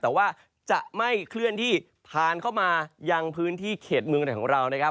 แต่ว่าจะไม่เคลื่อนที่ผ่านเข้ามายังพื้นที่เขตเมืองไทยของเรานะครับ